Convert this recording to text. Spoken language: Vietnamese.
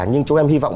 nhưng chúng em hy vọng